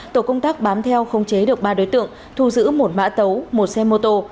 tổ công tác bám theo không chế được ba đối tượng thu giữ một mã tấu một xe mô tô